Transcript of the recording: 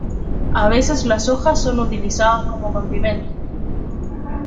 A veces las hojas son utilizadas como condimentos.